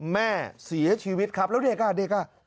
แม่เสียชีวิตครับแล้วเด็กอ่ะ